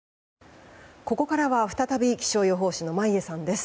ここからは再び気象予報士の眞家さんです。